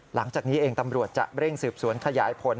หลังจากนี้เองตำรวจจะเร่งสืบสวนขยายผล